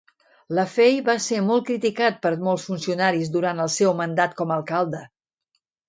Laffey va ser molt criticat per molts funcionaris durant els seu mandat com a alcalde.